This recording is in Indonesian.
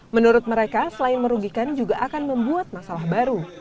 menurut mereka selain merugikan juga akan membuat masalah baru